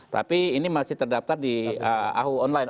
tapi ini masih terdaftar di aho online